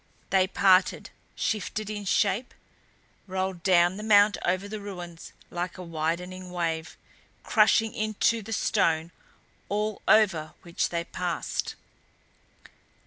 They parted; shifted in shape? rolled down the mount over the ruins like a widening wave crushing into the stone all over which they passed.